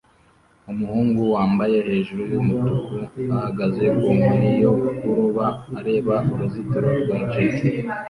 Umuhungu wambaye hejuru yumutuku ahagaze ku nkoni yo kuroba areba uruzitiro rwa jetty